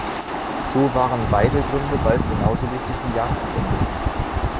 So waren Weidegründe bald genauso wichtig wie Jagdgründe.